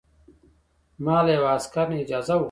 ما له یوه عسکر نه اجازه وغوښته.